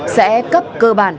sẽ cấp cơ bản